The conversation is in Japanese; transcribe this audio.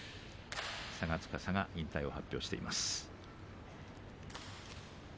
磋牙司が引退を発表しています。